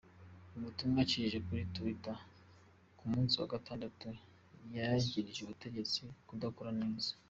Mu butumwa yacishije kuri Twitter ku munsi wa gatandatu, yagirije ubutegetsi "kudakora neza".